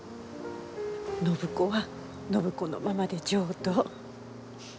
暢子は暢子のままで上等。